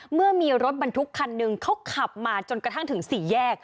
เมื่อมีรถบรรทุกคันหนึ่งเขาขับมาจนกระทั่งถึงสี่แยก